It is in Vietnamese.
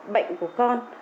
bệnh của con